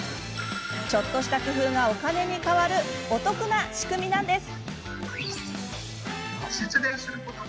ちょっとした工夫がお金に換わるお得な仕組みなんです。